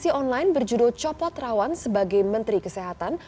aplikasi online berjudul copot rawan sebagai menteri kesehatan